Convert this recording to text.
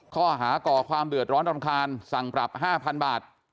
ข้อหาก่อความเดือดร้อนรำคาญสั่งปรับ๕๐๐๐บาท